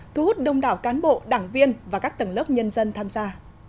thu hút đông đảo cán bộ đảng viên và các tầng lớp nhân dân tham gia